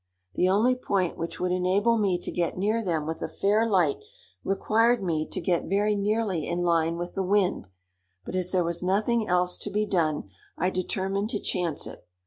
The only point which would enable me to get near them with a fair light, required me to get very nearly in line with the wind; but as there was nothing else to be done, I determined to chance it.